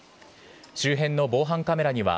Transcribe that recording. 周辺の防犯カメラには、